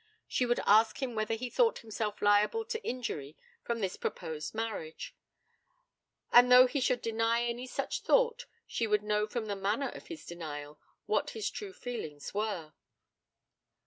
She would ask him whether he thought himself liable to injury from this proposed marriage; and though he should deny any such thought, she would know from the manner of his denial what his true feelings were.